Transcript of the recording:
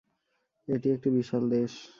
এটি একটি বিশাল দেশ।